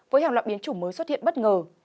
với hàng loại biến chủng mới xuất hiện bất ngờ